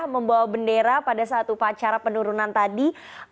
membawa bendera pada satu pacaran penurunan tadi